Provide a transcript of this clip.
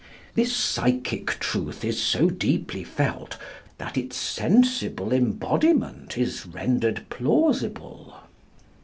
This psychic truth is so deeply felt that its sensible embodiment is rendered plausible.